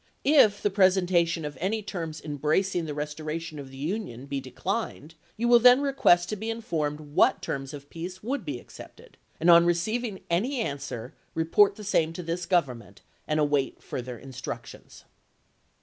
If the pres entation of any terms embracing the restoration of the Union be declined, you will then request to be informed what terms of peace would be accepted; ,.. r ,,, j. Lincoln, and on receiving any answer, report the same to craft, this Government, and await further instructions." ms.